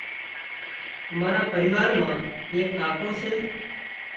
امارا پريوار مان ايڪ ڪاڪو سي